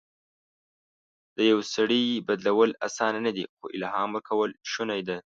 د یو سړي بدلول اسانه نه دي، خو الهام ورکول شونی ده.